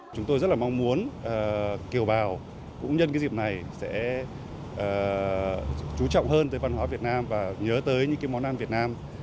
chúng tôi rất là mong muốn kiều bào cũng nhân cái dịp này sẽ chú trọng hơn tới văn hóa việt nam và nhớ tới những món ăn việt nam